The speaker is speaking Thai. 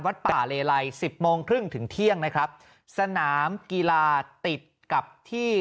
ป่าเลไลสิบโมงครึ่งถึงเที่ยงนะครับสนามกีฬาติดกับที่